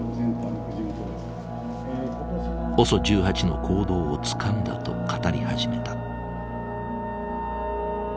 ＯＳＯ１８の行動をつかんだと語り始めた。